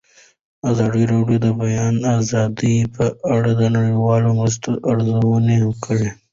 ازادي راډیو د د بیان آزادي په اړه د نړیوالو مرستو ارزونه کړې.